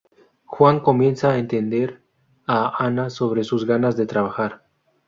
Juan comienza a entender a Ana sobre sus ganas de trabajar.